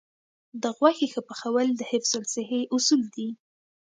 د غوښې ښه پخول د حفظ الصحې اصول دي.